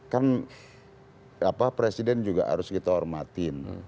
kan presiden juga harus kita hormatin